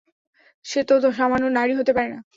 সে তো সামান্য নারী হতে পারে না।